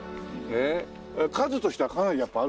数としてはかなりやっぱりあるんでしょ？